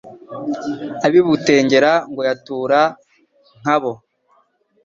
Ab'i Butengera ngo yatura nka bo.